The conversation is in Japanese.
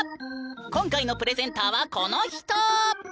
今回のプレゼンターはこの人！